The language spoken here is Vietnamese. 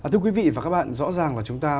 thưa quý vị và các bạn rõ ràng là chúng ta